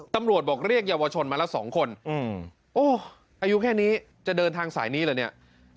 ตำรวจบอกเรียกเยาวชนมาละสองคนโอ๊ยอายุแค่นี้จะเดินทางสายนี้เลยเนี่ย